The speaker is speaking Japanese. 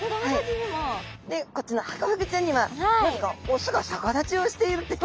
でこっちのハコフグちゃんにはなぜか雄が逆立ちをしているっていう。